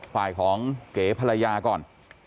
ฝ่ายของเก๋ภรรยาก่อน